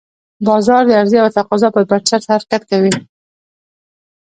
بازار د عرضې او تقاضا پر بنسټ حرکت کوي.